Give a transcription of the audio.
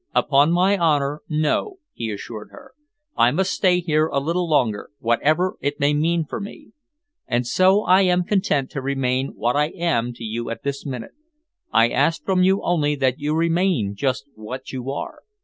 "Upon my honour, no," he assured her. "I must stay here a little longer, whatever it may mean for me. And so I am content to remain what I am to you at this minute. I ask from you only that you remain just what you are.